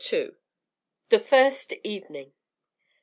THE FIRST EVENING.